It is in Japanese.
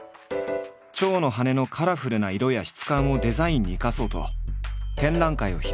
蝶の羽のカラフルな色や質感をデザインに生かそうと展覧会を開いた。